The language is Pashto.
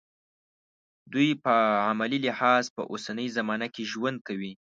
دوی په عملي لحاظ په اوسنۍ زمانه کې ژوند کوي.